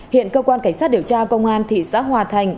hiện cơ quan cảnh sát điều tra công an thị xã hòa thành